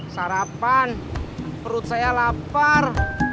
sarapan perut saya lapar